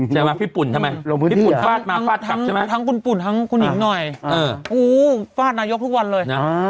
ทำไมอ่ะทั้งคุณปุ่นคุณหญิงหน่อยฟาดนายกทุกวันเลย